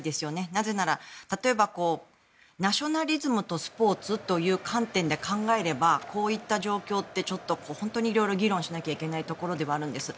なぜなら例えばナショナリズムとスポーツという観点で考えればこういった状況ってちょっと本当に色々議論しなきゃいけないところではあるんです。